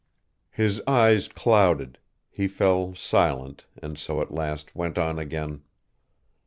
His eyes clouded he fell silent, and so at last went on again.